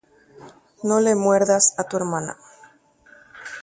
Ani reisu'u ne hérmanape.